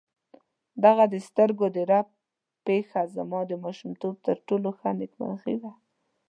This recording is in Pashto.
دغه د سترګو د رپ پېښه زما د ماشومتوب تر ټولو ښه نېکمرغي وه.